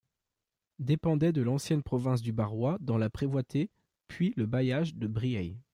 Dépendait de l'ancienne province du Barrois, dans la prévôté puis le bailliage de Briey.